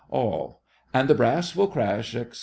ALL. And the brass will crash, etc.